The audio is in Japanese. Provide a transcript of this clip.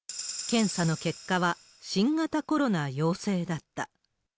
検査の結果は新型コロナ陽性だった。